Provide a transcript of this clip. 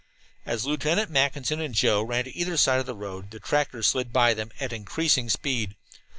As Lieutenant Mackinson and Joe ran to either side of the road, the tractor slid by them at increasing speed.